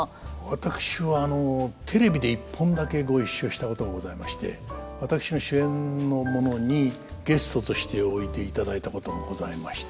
私はテレビで一本だけご一緒したことがございまして私の主演のものにゲストとしておいでいただいたことがございまして。